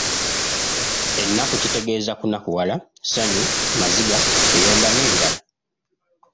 Ennaku kitegeeza: Kunakuwala, ssanyu, maziga, kuyomba n'ebirala.